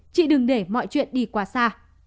chị đừng để mọi chuyện đi quá xa